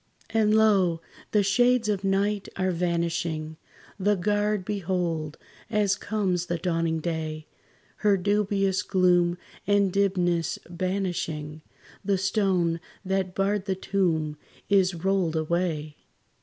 And lo! the shades of night are vanishing; The guard behold, as comes the dawning day, Her dubious gloom and dimness banishing, The stone that barred the tomb is rolled away.